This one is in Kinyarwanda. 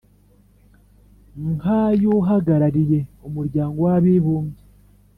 nk'ay'uhagarariye umuryango w'abibumbye,